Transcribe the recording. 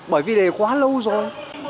bởi vì đây quá lâu rồi